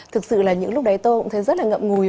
thực sự là những lúc đấy tôi cũng thấy rất là ngậm ngùi